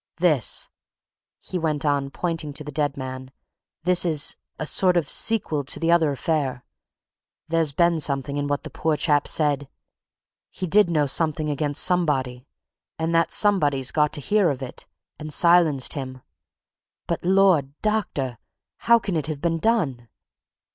This!" he went on, pointing to the dead man, "this is a sort of sequel to the other affair. There's been something in what the poor chap said he did know something against somebody, and that somebody's got to hear of it and silenced him. But, Lord, doctor, how can it have been done?"